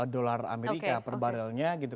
delapan puluh dolar amerika per barrelnya gitu